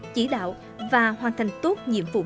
chỉ đạo và hoàn thành tốt